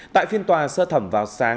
tại phiên tòa sơ thẩm vào sáng